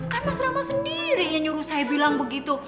kan mas rama sendiri yang nyuruh saya bilang begitu